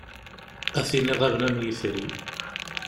A tin iɣaben am yitri.